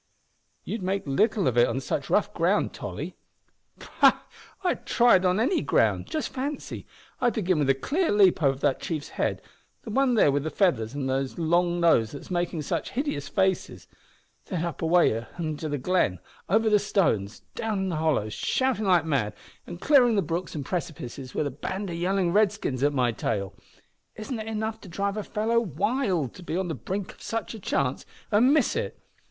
"You'd make little of it on such rough ground, Tolly." "Pooh! I'd try it on any ground. Just fancy, I'd begin with a clear leap over that chief's head the one there wi' the feathers an' the long nose that's makin' such hideous faces then away up the glen, over the stones, down the hollows, shoutin' like mad, an' clearin' the brooks and precipices with a band o' yellin' Redskins at my tail! Isn't it enough to drive a fellow wild to be on the brink of such a chance an' miss it?